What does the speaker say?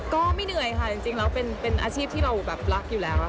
ก็ไม่เหนื่อยค่ะจริงแล้วเป็นอาชีพที่เราแบบรักอยู่แล้วค่ะ